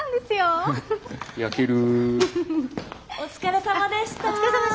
あっお疲れさまでした。